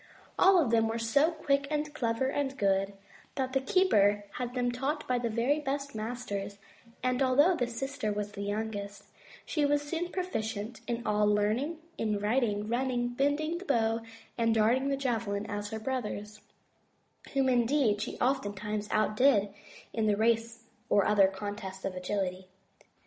All of them were so quick and clever and good that the keeper had them taught by the very best masters, and although the sister was the youngest, she was soon as proficient in all learning, in riding, running, bending the bow and darting the javelin as her brothers, whom indeed she oftentimes outdid in the race or other contest of agility.